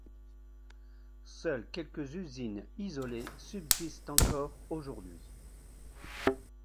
Seules quelques usines isolées subsistent encore aujourd'hui.